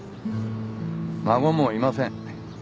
孫もいません。